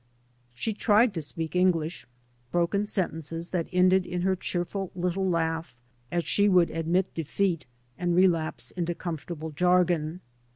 She tried to speak English, broken sentences that ended in her cheerful little laugh, as she would admit defeat and relapse into comfortable jargon.